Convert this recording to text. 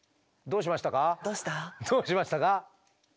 どうしましたか？